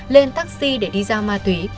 lên taxi để đi giao ma túy